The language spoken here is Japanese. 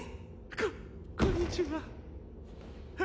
こっこんにちはハ。